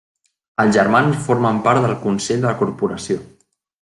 Els germans formen part del consell de la corporació.